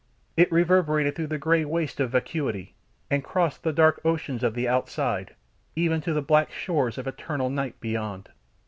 It reverberated through the grey wastes of vacuity, and crossed the dark oceans of the Outside, even to the black shores of the eternal night beyond.